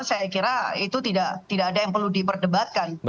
saya kira itu tidak ada yang perlu diperdebatkan